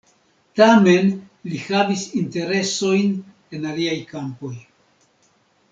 Tamen, li havis interesojn en aliaj kampoj.